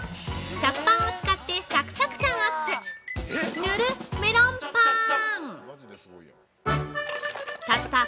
食パンを使ってサクサク感アップ！